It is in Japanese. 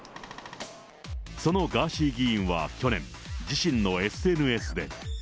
そのガーシー議員は去年、自身のＳＮＳで。